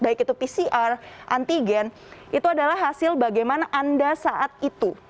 dan yang harus diingatkan adalah hasil tes baik itu pcr antigen itu adalah hasil bagaimana anda saat itu